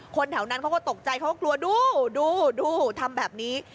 แถวนั้นเขาก็ตกใจเขาก็กลัวดูดูทำแบบนี้